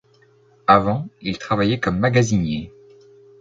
Avant, il travaillait comme magasinier.